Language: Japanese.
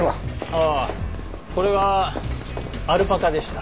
ああこれはアルパカでした。